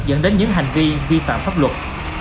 dẫn đến những hành vi vi phạm pháp luật